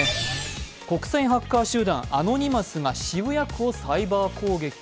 国際ハッカー集団・アノニマスが渋谷区をサイバー攻撃か。